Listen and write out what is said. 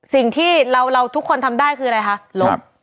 สิ่งที่เราทุกคนทำได้คืออะไรคะลบ